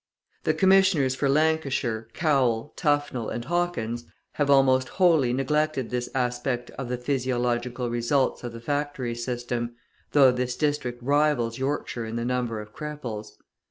{153b} The Commissioners for Lancashire, Cowell, Tufnell, and Hawkins, have almost wholly neglected this aspect of the physiological results of the factory system, though this district rivals Yorkshire in the number of cripples.